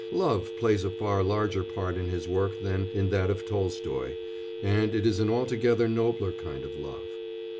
Love plays a far larger part in his work than in that of Tolstoy, and it is an altogether nobler kind of love.